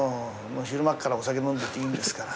昼間っからお酒飲んでていいんですから。